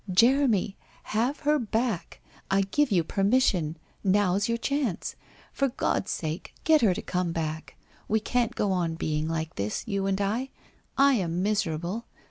' Jeremy, have her back ! I give you permission. Now's your chance. For God's sake, get her to come back ! We can't go on being like this — you and I. I am miserable.